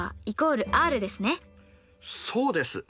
そうです。